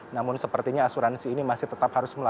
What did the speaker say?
namun sepertinya asuransi ini masih tetap harus melakukan